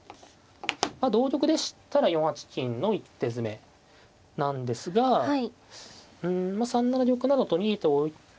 同玉でしたら４八金の一手詰めなんですがうんまあ３七玉などと逃げておいて。